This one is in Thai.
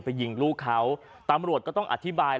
ยิงลูกเขาตำรวจก็ต้องอธิบาย